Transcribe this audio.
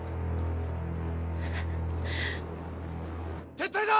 撤退だ！